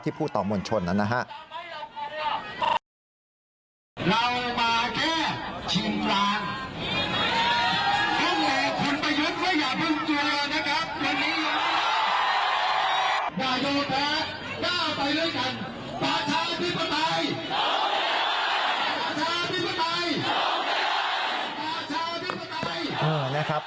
ที่พูดต่อมวลชนนะฮะ